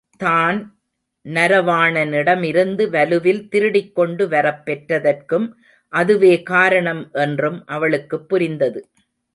தான் நரவாணனிட மிருந்து வலுவில் திருடிக் கொண்டு வரப் பெற்றதற்கும் அதுவே காரணம் என்றும் அவளுக்குப் புரிந்தது.